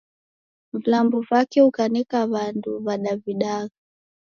Vilambo vake ukaneka w'andu wa'dawidagha.